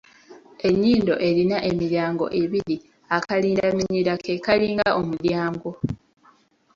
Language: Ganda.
Ennyindo erina emiryango ebiri, akalindaminyira ke kalinga omulyango.